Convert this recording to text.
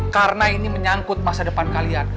karena ini menyangkut masa depan kalian